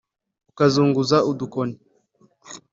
ukazunguza udukoni